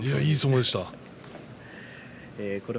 いやあいい相撲でした。